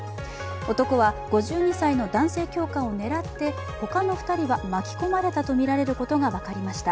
男は、５２歳の男性教官を狙ってほかの２人は巻き込まれたとみられることが分かりました。